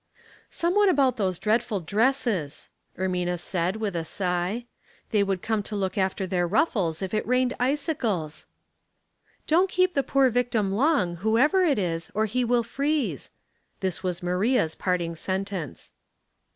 '' Some one about those dreadful dresses," Ermina said, with a sigh. " They would come to look after their ruffles if it rained icicles." 23 354 Household Puzzles, *" Don't keep the poor victim long, whoever it is, or he will freeze." This was Maria's parting sentence.